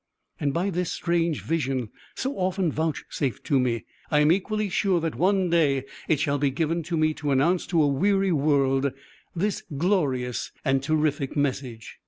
And, by this strange vision so often vouchsafed to me, I am equally sure that one day it shall be given to me to announce to a weary world this glorious and terrific message."